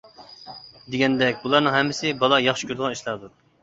دېگەندەك، بۇلارنىڭ ھەممىسى بالا ياخشى كۆرىدىغان ئىشلاردۇر.